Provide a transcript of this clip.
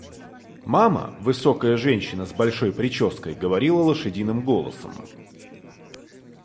Мама, высокая женщина с большой прической, говорила лошадиным голосом.